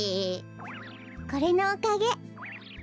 これのおかげ。